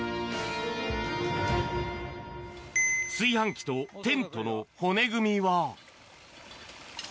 炊飯器とテントの骨組みは。